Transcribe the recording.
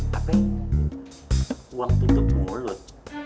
tapi uang tutup mulut